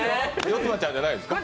四葉ちゃんじゃないですか？